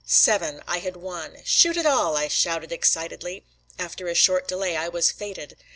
Seven. I had won. "Shoot it all!" I shouted excitedly. After a short delay I was "fated."